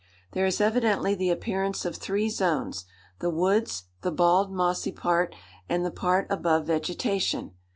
"There is evidently the appearance of three zones—the woods, the bald, mossy part, and the part above vegetation.